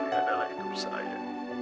mary adalah hidup saya